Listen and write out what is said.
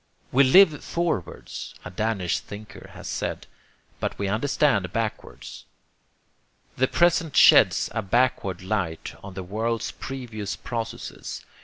We live forwards, a Danish thinker has said, but we understand backwards. The present sheds a backward light on the world's previous processes.